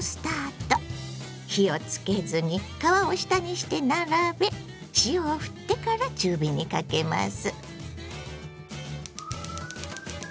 火をつけずに皮を下にして並べ塩をふってから中火にかけます。